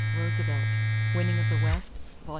Roosevelt, Winning of the West, Vol.